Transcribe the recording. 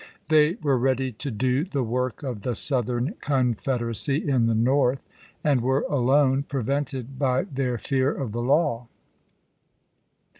They were ready to do the work of the Southern Confederacy in the North, and were alone prevented by their fear of the law.